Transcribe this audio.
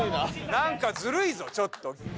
なんかずるいぞちょっと。